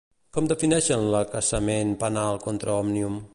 Com defineixen l'acaçament penal contra Òmnium?